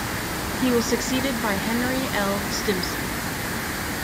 He was succeeded by Henry L. Stimson.